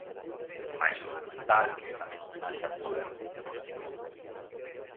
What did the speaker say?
Mais o documental, que é tamén homenaxe a Pura, continuou.